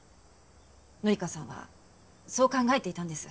紀香さんはそう考えていたんです。